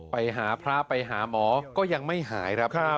ไปหาพระไปหาหมอก็ยังไม่หายครับ